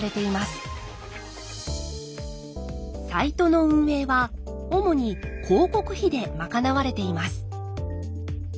サイトの運営は主に広告費で賄われています。